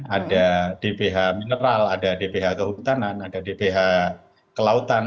ada dph mineral ada dph kehutanan ada dph kelautan